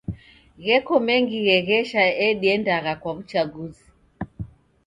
Gheko mengi gheghesha ediandagha kwa w'uchagizi.